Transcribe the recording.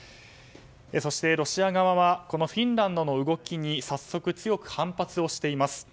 そして、ロシア側はフィンランドの動きに早速強く反発しています。